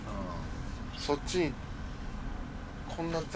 そっちに。